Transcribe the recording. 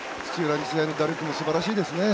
日大の打撃もすばらしいですね。